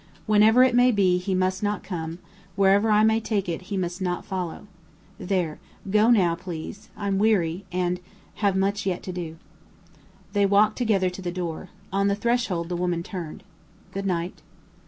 Wherever it may be, he must not come; wherever I may take it, he must not follow! There, go now, please I'm weary, and have much yet to do!" They walked together to the door. On the threshold the woman turned. "Good night."